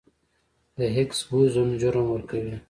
د هیګز بوزون جرم ورکوي.